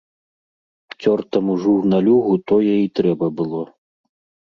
Цёртаму журналюгу тое і трэба было.